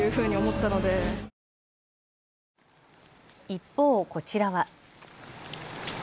一方、こちらは。